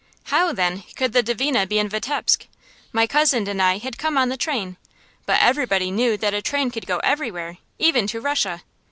How, then, could the Dvina be in Vitebsk? My cousin and I had come on the train, but everybody knew that a train could go everywhere, even to Russia.